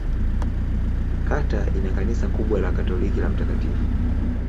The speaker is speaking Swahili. Kata ina kanisa kubwa la Katoliki la Mt.